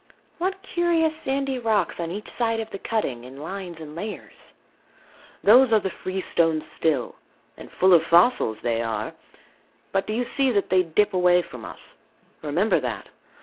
What curious sandy rocks on each side of the cutting, in lines and layers. Those are the freestone still: and full of fossils they are. But do you see that they dip away from us? Remember that.